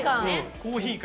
コーヒー感。